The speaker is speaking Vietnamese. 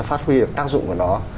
là phát huy được tác dụng của nó